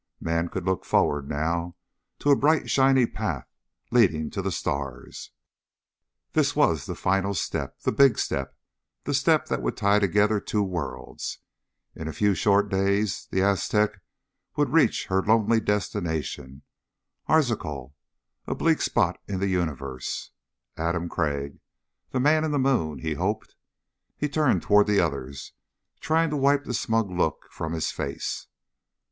Man could look forward now, to a bright shiny path leading to the stars. This was the final step. The Big Step. The step that would tie together two worlds. In a few short days the Aztec would reach her lonely destination, Arzachel, a bleak spot in the universe. Adam Crag, the Man in the Moon. He hoped. He turned toward the others, trying to wipe the smug look from his face.